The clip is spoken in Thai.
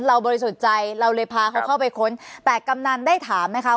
บริสุทธิ์ใจเราเลยพาเขาเข้าไปค้นแต่กำนันได้ถามไหมคะ